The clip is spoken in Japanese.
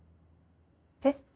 えっ。